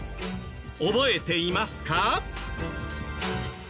覚えていますか？